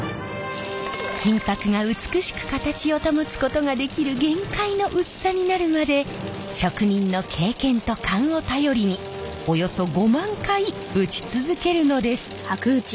金箔が美しく形を保つことができる限界の薄さになるまで職人の経験と勘を頼りにおよそ５万回打ち続けるのです。